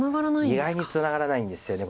意外にツナがらないんですよね。